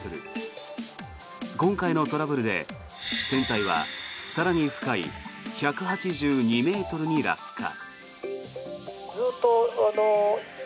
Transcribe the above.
今回のトラブルで船体は更に深い１８２ｍに落下。